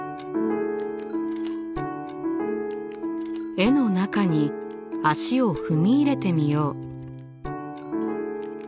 絵の中に足を踏み入れてみよう。